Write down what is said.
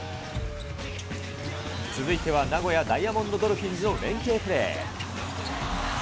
続いては名古屋ダイヤモンドドルフィンズの連係プレー。